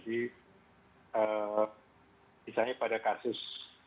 jadi misalnya pada kasus